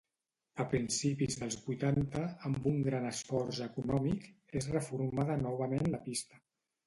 A principis dels vuitanta, amb un gran esforç econòmic, és reformada novament la pista.